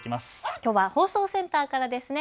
きょうは放送センターからですね。